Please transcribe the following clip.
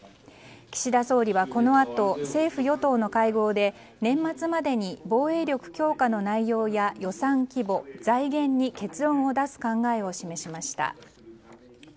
岸田総理はこのあと政府・与党の会合で年末までに防衛力強化の内容や予算規模財源に結論を出す考えを示しました。